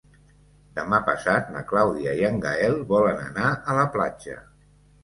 Demà passat na Clàudia i en Gaël volen anar a la platja.